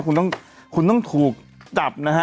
คุณต้องคุณต้องถูกจับนะฮะ